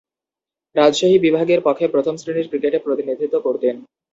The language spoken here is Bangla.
রাজশাহী বিভাগের পক্ষে প্রথম-শ্রেণীর ক্রিকেটে প্রতিনিধিত্ব করতেন।